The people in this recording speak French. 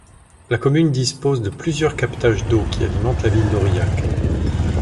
La commune dispose de plusieurs captages d'eau qui alimentent la ville d'Aurillac.